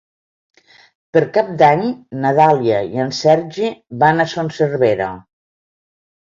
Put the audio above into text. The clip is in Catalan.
Per Cap d'Any na Dàlia i en Sergi van a Son Servera.